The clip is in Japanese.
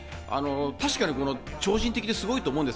確かに超人的で、すごいと思うんです。